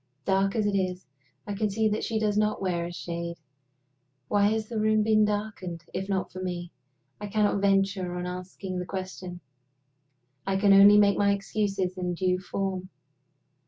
Dark as it is, I can see that she does not wear a shade. Why has the room been darkened if not for me? I cannot venture on asking the question I can only make my excuses in due form.